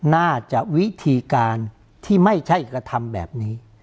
น่าจะวิธีการที่ไม่ใช่กระทำแบบนี้